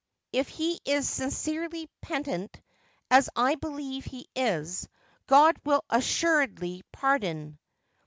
If he is sincerely penitent, as I believe he is, God will assuredly pardon.'